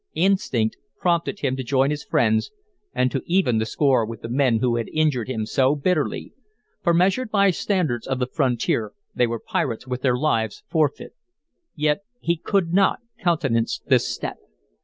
Instinct prompted him to join his friends and to even the score with the men who had injured him so bitterly, for, measured by standards of the frontier, they were pirates with their lives forfeit. Yet, he could not countenance this step.